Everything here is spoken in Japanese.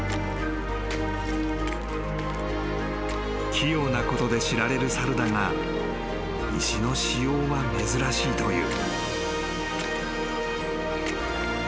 ［器用なことで知られる猿だが石の使用は珍しいという］